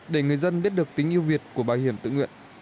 để người dân biết được tính yêu việt của bảo hiểm tự nguyện